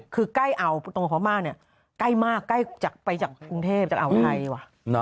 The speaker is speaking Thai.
คือใกล้เอาตรงพม่าเนี่ยใกล้มากใกล้ไปจากกรุงเทพจากอ่าวไทยว่ะ